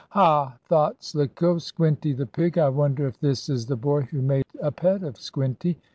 "Ha!" thought Slicko. "Squinty the pig! I wonder if this is the boy who made a pet of Squinty.